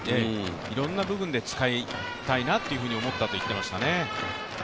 いろんな部分で使いたいなって思ったと言っていましたね。